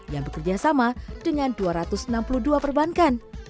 yang bekerja sama dengan dua ratus enam puluh dua perbankan